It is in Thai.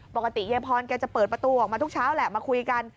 ปกติยายพรแกจะเปิดประตูออกมาทุกเช้าแหละมาคุยกัน